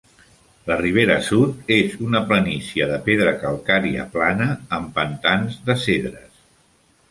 La ribera sud és una planícia de pedra calcària plana, amb pantans de cedres.